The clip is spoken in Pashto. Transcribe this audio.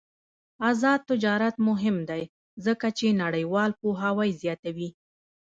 آزاد تجارت مهم دی ځکه چې نړیوال پوهاوی زیاتوي.